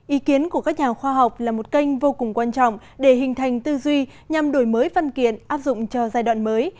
ý kiến của các nhà khoa học là một kênh vô cùng quan trọng để hình thành tư duy nhằm đổi mới văn kiện áp dụng cho giai đoạn mới